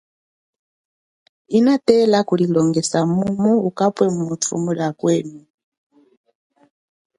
Inatela kulilongeja mumu hamene ukasoloke mutu muli akwenu.